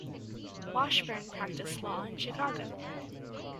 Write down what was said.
Washburne practiced law in Chicago.